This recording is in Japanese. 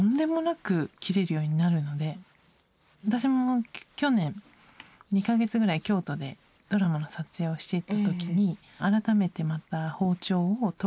私も去年２か月ぐらい京都でドラマの撮影をしていた時に改めてまた包丁を研ぐのを習いに行ったんですね。